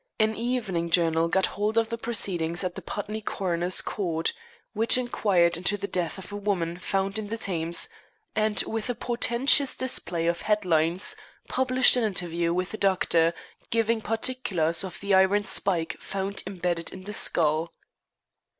An evening journal got hold of the proceedings at the Putney Coroner's Court which inquired into the death of a woman found in the Thames, and, with a portentous display of headlines, published an interview with the doctor giving particulars of the iron spike found imbedded in the skull.